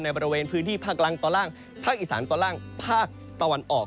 บริเวณพื้นที่ภาคล่างตอนล่างภาคอีสานตอนล่างภาคตะวันออก